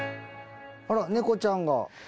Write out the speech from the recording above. あら猫ちゃんが。